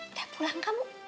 udah pulang kamu